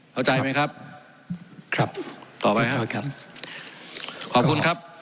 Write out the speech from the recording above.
เข้าใจไหมครับครับต่อไปครับขอบคุณครับ